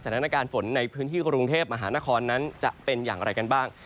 สถานการณ์ฝนในพื้นที่กรุงเทพมหานครนั้นจะเป็นอย่างไรกันบ้าง